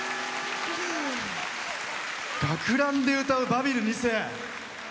学ランで歌う「バビル２世」。